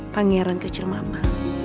pangeran kecil mama